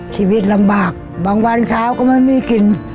ชีวิตลำบากบางวันขาวก็ไม่มีกิน